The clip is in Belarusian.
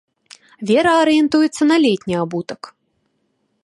Вера арыентуецца на летні абутак.